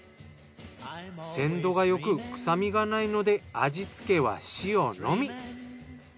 鮮度がよく臭みがないので味つけは塩のみ。